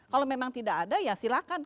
kalau memang tidak ada ya silakan